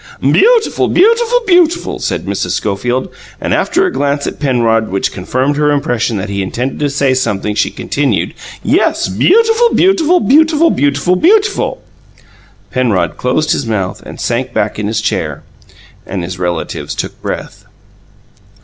"Beautiful, beautiful, beautiful!" said Mrs. Schofield, and after a glance at Penrod which confirmed her impression that he intended to say something, she continued, "Yes, beautiful, beautiful, beautiful, beautiful, beautiful beautiful!" Penrod closed his mouth and sank back in his chair and his relatives took breath.